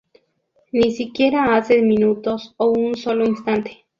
Ni siquiera hace minutos o un sólo instante.